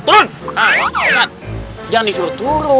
rumah gak punya potter